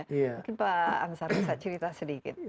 mungkin pak ansar bisa cerita sedikit